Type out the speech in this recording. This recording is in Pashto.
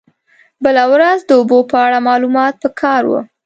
بله ورځ د اوبو په اړه معلومات په کار و.